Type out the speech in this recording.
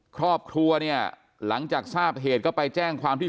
ครอบครัวเนี่ยหลังจากทราบเหตุก็ไปแจ้งความที่